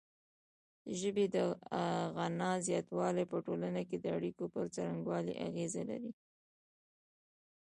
د ژبې د غنا زیاتوالی په ټولنه کې د اړیکو پر څرنګوالي اغیزه لري.